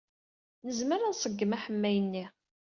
Nezmer ad nṣeggem aḥemmay-nni.